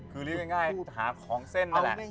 คือเรียกง่ายหาของเส้นนั่นแหละ